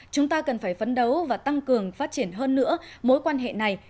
chúng ta cần phải phấn đấu và tăng cường phát triển hơn nữa mối quan hệ này